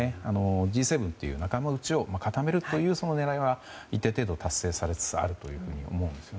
Ｇ７で中国を固めるという狙いは一定程度達成されつつあると思います。